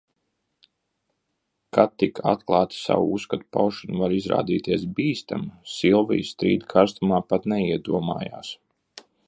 Ka tik atklāta savu uzskatu paušana var izrādīties bīstama, Silvija strīda karstumā pat neiedomājas.